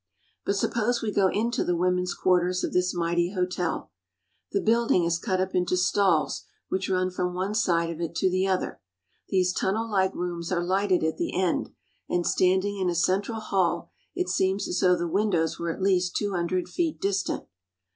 But suppose we go into the women's quarters of this mighty hotel. The building is cut up into stalls which run from one side of it to the other. These tunnel like rooms are lighted at the end, and standing in a central hall it seems as though the windows were at least two hundred feet distant.